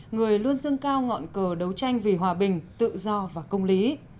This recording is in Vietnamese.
người luôn dương cao ngọn cờ đấu tranh vì hòa bình tự do và công lý